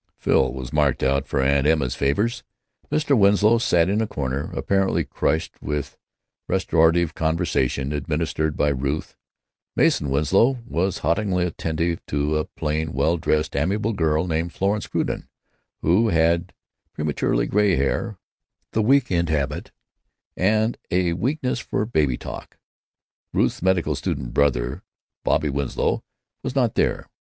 Phil was marked out for Aunt Emma's favors; Mr. Winslow sat in a corner, apparently crushed, with restorative conversation administered by Ruth; Mason Winslow was haltingly attentive to a plain, well dressed, amiable girl named Florence Crewden, who had prematurely gray hair, the week end habit, and a weakness for baby talk. Ruth's medical student brother, Bobby Winslow, was not there.